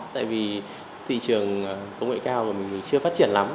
tại vì thị trường công nghệ cao của mình chưa phát triển lắm